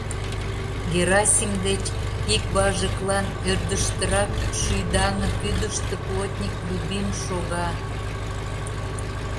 Герасим деч ик важыклан ӧрдыжтырак, шӱй даҥыт вӱдыштӧ плотник Любим шога.